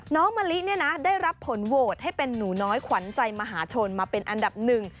น้องมะลิได้รับผลโวทธ์ให้เป็นนูน้อยขวัญใจมหาชนมาเป็นอันดับหนึ่ง